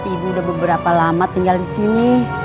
ibu udah beberapa lama tinggal di sini